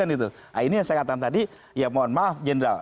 nah ini yang saya katakan tadi ya mohon maaf general